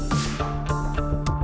gue paham kok